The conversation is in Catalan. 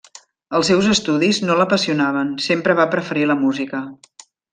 Els seus estudis no l'apassionaven, sempre va preferir la música.